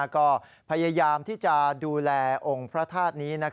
ก็พยายามที่จะดูแลองค์พระธาตุนี้